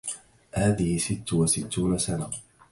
هذه ست وستون سنه